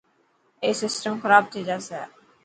اي سسٽم خراب ٿي جاسي.